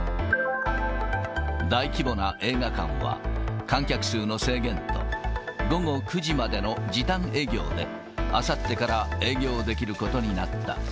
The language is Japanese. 大規模な映画館は、観客数の制限と、午後９時までの時短営業で、あさってから営業できることになった。